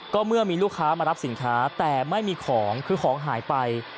ก็เมื่อมีลูกค้ามารับสินค้าแต่ไม่มีของคือของหายไป